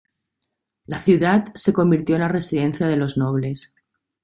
La ciudad se convirtió en la "residencia de los nobles".